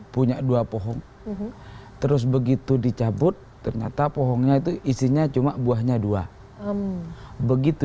punya dua pohon terus begitu dicabut ternyata pohonnya itu isinya cuma buahnya dua begitu